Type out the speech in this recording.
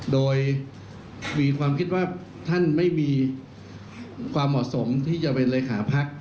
โดยมีความคิดว่าท่านไม่มีความเหมาะสมที่จะเป็นเลขาพัก